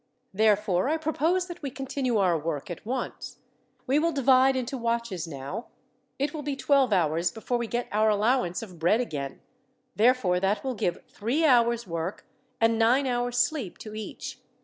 Therefore, I propose that we continue our work at once. We will divide into watches now. It will be twelve hours before we get our allowance of bread again, therefore that will give three hours' work, and nine hours' sleep to each.